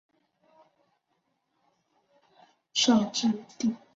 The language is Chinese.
绍治帝曾御赐米字部起名。